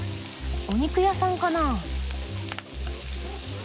お肉屋さんかな？